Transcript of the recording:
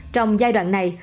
trong giai đoạn này